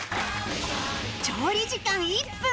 調理時間１分